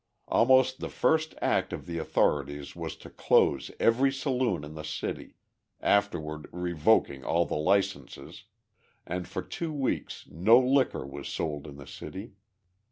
Almost the first act of the authorities was to close every saloon in the city, afterward revoking all the licences and for two weeks no liquor was sold in the city.